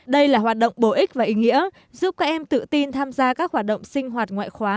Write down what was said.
đây là hoạt động bổ ích và ý nghĩa giúp các em tự tin tham gia các hoạt động sinh hoạt ngoại khóa